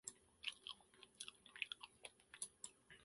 僕は悪いことをしているわけではない。それはわかっている。でも、後ろめたかった。